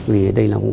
vì đối với lực lượng